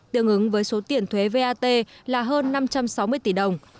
tương ứng với số tiền thuế vat là hơn năm trăm sáu mươi tỷ đồng